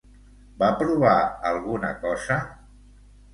Va provar alguna cosa?